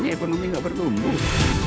ekonomi gak bertumbuh